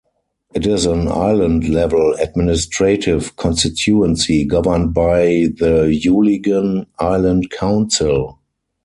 It is an island-level administrative constituency governed by the Uligan Island Council.